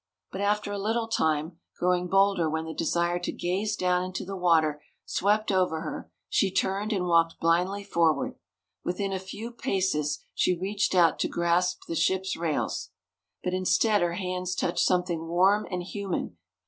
But after a little time, growing bolder when the desire to gaze down into the water swept over her, she turned and walked blindly forward. Within a few paces she reached out to grasp the ship's rails. But instead her hands touched something warm and human.